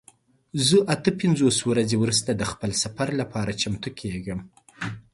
زه اته پنځوس ورځې وروسته د خپل سفر لپاره چمتو کیږم.